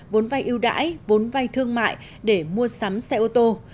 vốn vai yêu đãi vốn vai thương mại để mua sắm xe ô tô